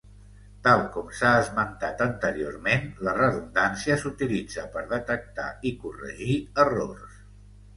Tal com s'ha esmentat anteriorment la redundància s'utilitza per detectar i corregir errors.